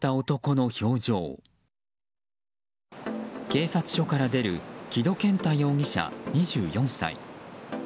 警察署から出る木戸健太容疑者、２４歳。